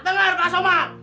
dengar pak somad